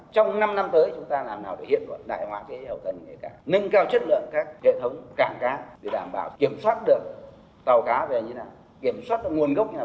trong năm năm tới chúng ta làm nào để hiện đại hóa hệ thống thẻ vàng của hệ thống thủ tướng